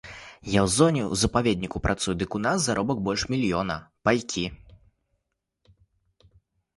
Я ў зоне, у запаведніку працую, дык у нас заробак больш мільёна, пайкі.